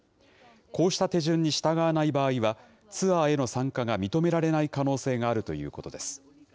こうした手順に従わない場合は、ツアーへの参加が認められない可能性があるということです。